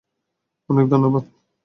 অনেক, ধন্যবাদ।